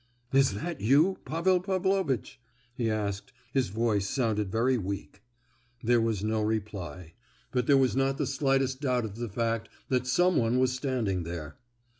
"Is that you, Pavel Pavlovitch?" he asked. His voice sounded very weak. There was no reply; but there was not the slightest doubt of the fact that someone was standing there.